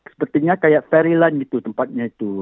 sepertinya kayak fairyland gitu tempatnya itu